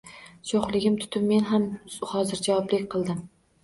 Sho`xligim tutib men ham hozirjavoblik qildim